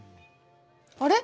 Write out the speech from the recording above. あれ？